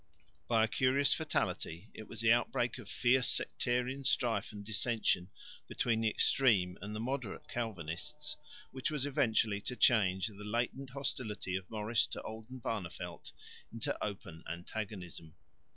By a curious fatality it was the outbreak of fierce sectarian strife and dissension between the extreme and the moderate Calvinists which was eventually to change the latent hostility of Maurice to Oldenbarneveldt into open antagonism.